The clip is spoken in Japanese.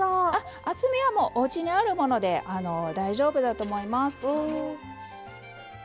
厚みはおうちにあるもので大丈夫だと思います。